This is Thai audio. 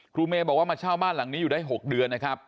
เมย์บอกว่ามาเช่าบ้านหลังนี้อยู่ได้๖เดือนนะครับ